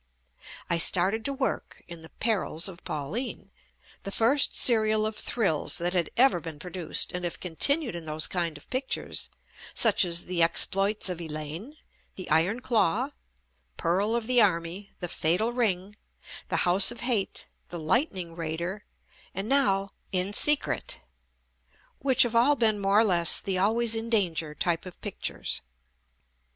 I started to work in "The Perils of Pauline," the first serial of thrills that had ever been produced, and have continued in those JUST ME kind of pictures such as "The Exploits of Elaine," "The Iron Claw," "Pearl of the Army," "The Fatal Ring," "The House of Hate," "The Lightning Raider" and now "In Secret," which have all been more or less "the always in danger" type of pictures.